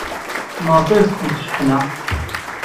Maɣef ay iyi-teḍḍfemt cceḥna?